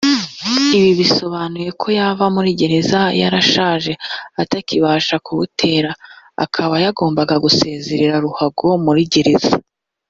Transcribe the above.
Ibi bisobanura ko yava muri gereza yarashaje atakibasha kuwutera akaba yagomba gusezerera ruhago muri gereza